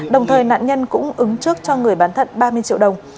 đồng thời nạn nhân cũng ứng trước cho người bán thận ba mươi triệu đồng